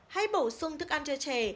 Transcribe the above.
hãy bổ sung thức ăn cho trẻ